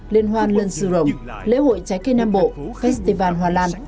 liên hoan lân sư rồng lễ hội trái cây nam bộ festival hòa lan